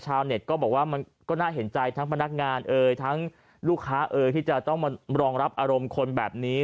เน็ตก็บอกว่ามันก็น่าเห็นใจทั้งพนักงานเอ่ยทั้งลูกค้าเอ่ยที่จะต้องมารองรับอารมณ์คนแบบนี้